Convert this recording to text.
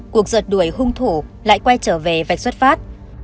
cuộc giật đuổi hung thủ lại quay trở về vạch xuất phát